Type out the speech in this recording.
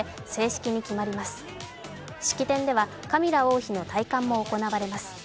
式典ではカミラ王妃の戴冠も行われます。